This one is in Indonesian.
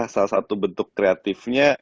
salah satu bentuk kreatifnya